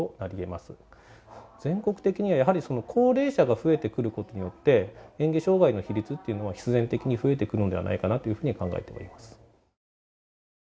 全国的にはやはり高齢者が増えてくることによって嚥下障がいの比率っていうのは必然的に増えてくるのではないかなというふうに考えております。